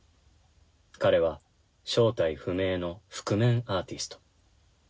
彼は正体不明の覆面アーティスト。